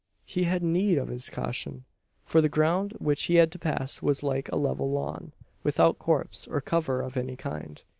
He had need of this caution: for the ground which he had to pass was like a level lawn, without copse or cover of any kind.